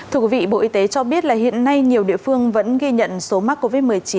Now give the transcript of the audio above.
thưa quý vị bộ y tế cho biết là hiện nay nhiều địa phương vẫn ghi nhận số mắc covid một mươi chín